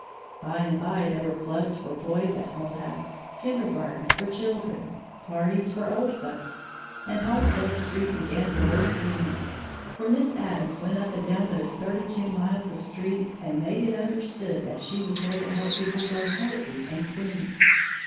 By and by there were clubs for boys at Hull House, kindergartens for children, parties for old folks, and Halstead Street began to look cleaner, for Miss Addams went up and down those thirty two miles of street and made it understood that she was there to help people grow healthy and clean.